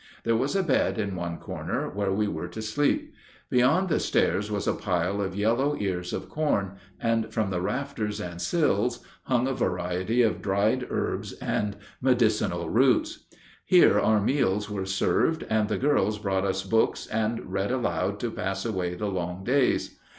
There was a bed in one corner, where we were to sleep. Beyond the stairs was a pile of yellow ears of corn, and from the rafters and sills hung a variety of dried herbs and medicinal roots. Here our meals were served, and the girls brought us books and read aloud to pass away the long days.